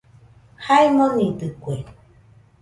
Jae monidɨkue